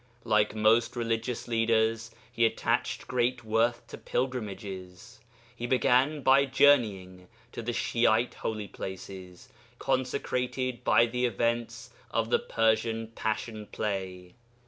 Like most religious leaders he attached great worth to pilgrimages. He began by journeying to the Shi'ite holy places, consecrated by the events of the Persian Passion play.